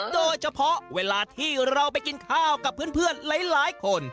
โดยเฉพาะเวลาที่เราไปกินข้าวกับเพื่อนหลายคน